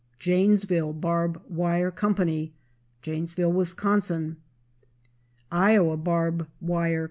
Janesville Barb Wire Co., Janesville, Wis. Iowa Barb Wire Co.